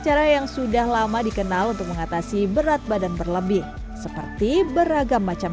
cara yang sudah lama dikenal untuk mengatasi berat badan berlebih seperti beragam macam